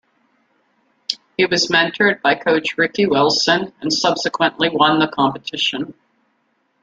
He was mentored by coach Ricky Wilson and subsequently won the competition.